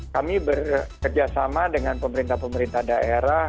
kami bekerjasama dengan pemerintah pemerintah daerah